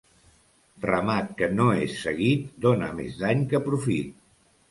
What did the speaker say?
Ramat que no és seguit dóna més dany que profit.